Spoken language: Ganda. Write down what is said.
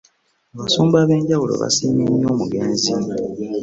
Abasumba ab'enjawulo basiimye nnyo omugenzi